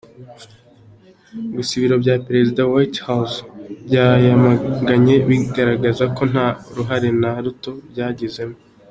Gusa ibiro bya Perezida ‘White House’ byabyamaganye bigaragaza ko nta ruhare na ruto byagizemo.